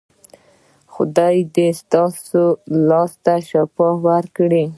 ایا خدای دې ستاسو لاس ته شفا ورکړي؟